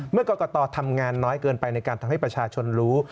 เมื่อกรกตทำงานน้อยเกินไปในการทำให้ประชาชนรู้